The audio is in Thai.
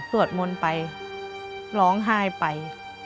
สวดมนต์ไปร้องไห้ไป